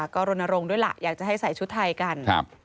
ก็รณรงค์ด้วยล่ะอยากจะให้ใส่ชุดไทยกัน